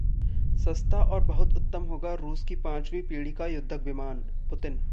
सस्ता और बहुत उत्तम होगा रूस की पांचवीं पीढ़ी का युद्धक विमान: पुतिन